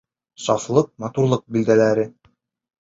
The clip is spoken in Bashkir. Сафлыҡ, матурлыҡ билдәләре...